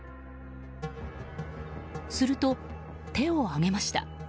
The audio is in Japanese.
すると、手を上げました。